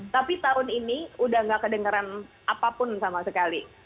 tapi tahun ini udah gak kedengeran apapun sama sekali